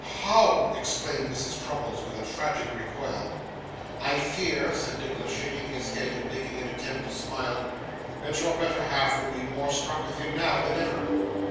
'How!' exclaimed Mrs. Crummles, with a tragic recoil. 'I fear,' said Nicholas, shaking his head, and making an attempt to smile, 'that your better half would be more struck with him now than ever.